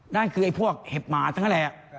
นั่นคือพวกเห็บหมาทั้งแหล่ะ